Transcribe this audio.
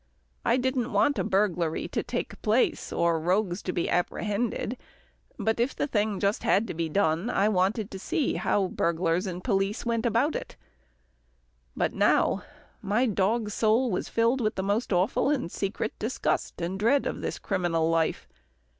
I didn't want a burglary to take place, or rogues to be apprehended, but if the thing just had to be done, I wanted to see how burglars and police went about it. But now my dog soul was filled with the most awful and secret disgust and dread of this criminal life.